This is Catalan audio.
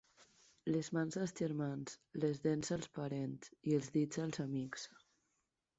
Les mans, als germans; les dents, als parents; i els dits, als amics.